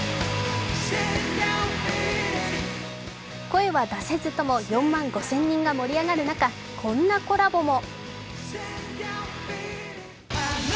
声は出せずとも４万５０００人が盛り上がる中、こんなコラボも。